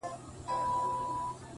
هغه سړی کلونه پس دی؛ راوتلی ښار ته؛